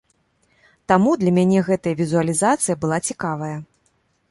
Таму для мяне гэтая візуалізацыя была цікавая.